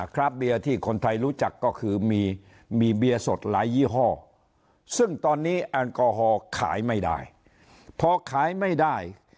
คราฟเบียร์ที่คนไทยรู้จักก็คือมีเบียร์สดหลายยี่ห้อซึ่งตอนนี้แอลกอฮอล์ขายไม่ได้พอขายไม่ได้